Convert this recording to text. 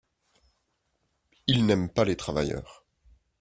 Ils n’aiment pas les travailleurs.